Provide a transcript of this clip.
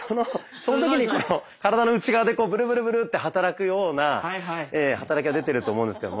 その時にこの体の内側でブルブルブルって働くような働きが出てると思うんですけれども。